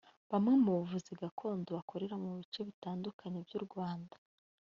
Bamwe mu bavuzi gakondo bakorera mu bice bitandukanye by’u Rwanda